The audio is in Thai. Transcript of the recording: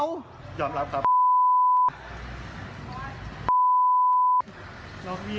ไอ้เฟสปลอมไปหลอกเขา